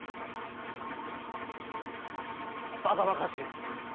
ばかばかしい。